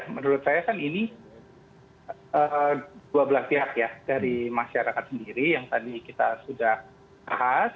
menurut saya kan ini dua belah pihak ya dari masyarakat sendiri yang tadi kita sudah bahas